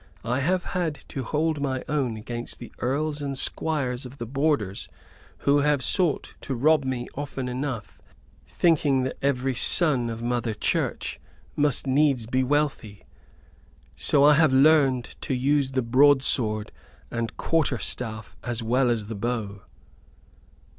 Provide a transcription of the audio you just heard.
I have had to hold mine own against the earls and squires of the borders, who have sought to rob me often enough, thinking that every son of Mother Church must needs be wealthy. So I have learned to use the broadsword and quarter staff as well as the bow."